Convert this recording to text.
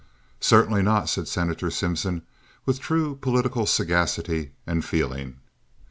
"Certainly not," said Senator Simpson, with true political sagacity and feeling.